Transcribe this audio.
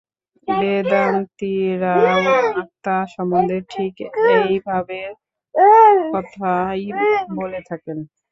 বেদান্তীরাও আত্মা সম্বন্ধে ঠিক এইভাবের কথাই বলে থাকেন।